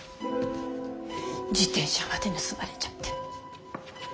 自転車まで盗まれちゃって。